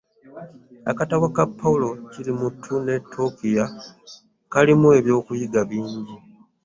Akatabo ka pawulo kirimuttu ne tokiiya kalimu eby'okuyiga bingi.